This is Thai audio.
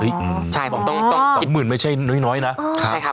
อ๋อโออย่างน้อยนะ